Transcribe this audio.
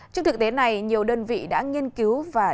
trước thực tế này nhiều đơn vị đã nghiên cứu và đề cập